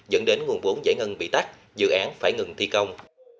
dẫn đến nguồn vốn giải ngân bị tắt dự án phải ngừng thi công